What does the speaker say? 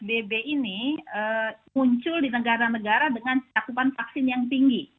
bb ini muncul di negara negara dengan cakupan vaksin yang tinggi